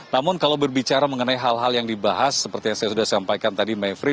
namun kalau berbicara mengenai hal hal yang dibahas seperti yang saya sudah sampaikan tadi mevri